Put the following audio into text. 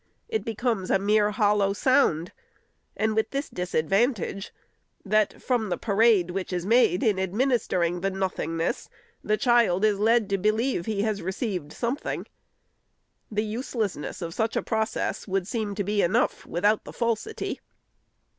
It becomes a mere hollow sound ; and with this disadvan tage, that, from the parade which is made in administer ing the nothingness, the child is led to believe he has received something. The uselessness of such a process would seem to be enough, without the falsity.